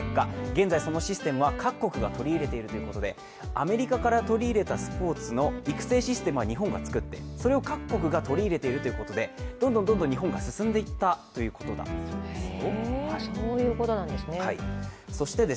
アメリカから取り入れたスポーツの育成システムを日本が作ってそれを各国が取り入れていると言うことで、どんどん日本が進んでいったということがあるそうですよ。